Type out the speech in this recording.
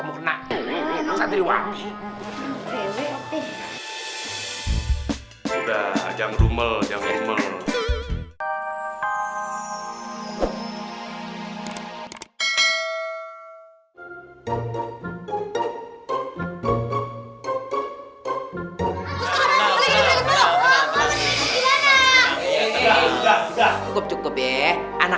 udah jangan rumel jangan